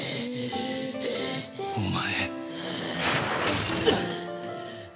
お前。